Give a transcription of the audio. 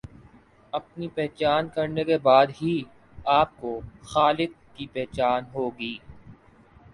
اپنی پہچان کرنے کے بعد ہی آپ کو خالق کی پہچان ہوگی۔